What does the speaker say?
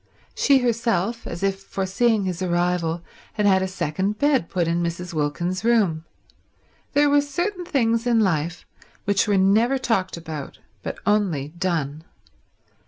She herself, as if foreseeing his arrival, had had a second bed put in Mrs. Wilkins's room. There were certain things in life which were never talked about but only done.